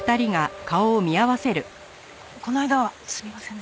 この間はすみませんでした。